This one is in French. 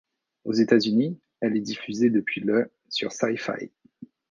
Aux États-Unis, elle est diffusée depuis le sur Syfy.